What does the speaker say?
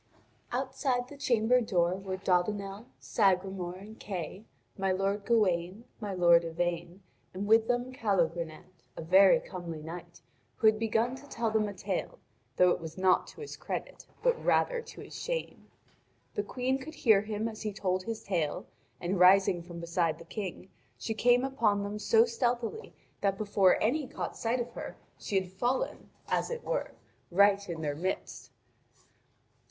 Outside the chamber door were Dodinel, Sagremor, and Kay, my lord Gawain, my lord Yvain, and with them Calogrenant, a very comely knight, who had begun to tell them a tale, though it was not to his credit, but rather to his shame. The Queen could hear him as he told his tale, and rising from beside the King, she came upon them so stealthily that before any caught sight of her, she had fallen, as it were, right in their midst.